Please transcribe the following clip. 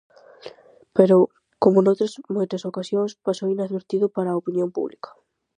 Pero, como noutras moitas ocasións, pasou inadvertido para a opinión pública.